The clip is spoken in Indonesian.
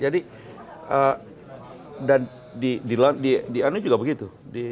jadi di amerika juga begitu